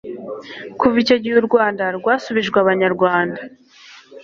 Kuva icyo gihe u Rwanda rwasubijwe Abanyarwanda